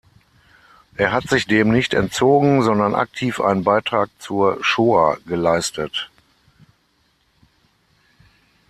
Er hat sich dem nicht entzogen, sondern aktiv einen Beitrag zur Shoa geleistet.